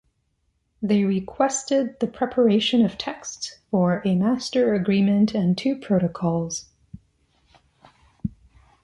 They requested the preparation of texts for a master agreement and two protocols.